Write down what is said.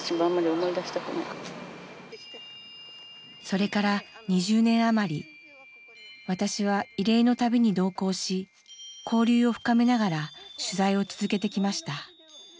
それから２０年余り私は慰霊の旅に同行し交流を深めながら取材を続けてきました。